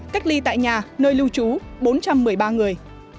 cách ly tại nhà nơi lưu trú bốn trăm một mươi ba người